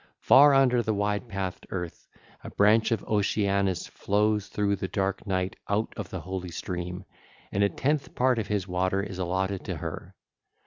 Far under the wide pathed earth a branch of Oceanus flows through the dark night out of the holy stream, and a tenth part of his water is allotted to her.